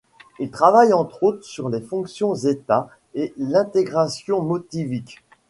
Il travaille entre autres sur les fonctions zêta et l'intégration motivique.